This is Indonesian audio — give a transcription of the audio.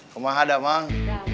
kemang hadap mang